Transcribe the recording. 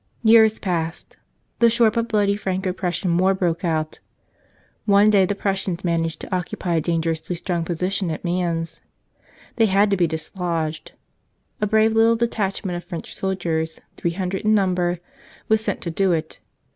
Years passed. The short but bloody Franco Prus sian war broke out. One day the Prussians managed to occupy a dangerously strong position at Mans. They had to be dislodged. A brave little detachment of French soldiers, three hundred in number, was sent to do it.